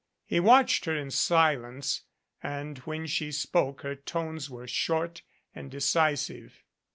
He watched her in silence, and when she spoke her tones were short and decisive.